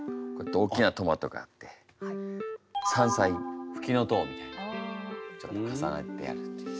大きなトマトがあって山菜フキノトウみたいなちょっと重なってあるっていう。